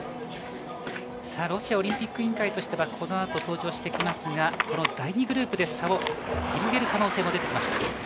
ロシアオリンピック委員会としてはこのあと登場する第２グループで差を広げる可能性も出てきました。